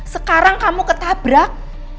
sekarang kamu ketabrak